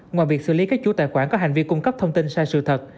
ngoài việc xử lý các chủ tài khoản có hành vi cung cấp thông tin sai sự thật